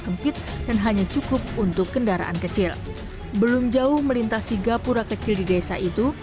sempit dan hanya cukup untuk kendaraan kecil belum jauh melintasi gapura kecil di desa itu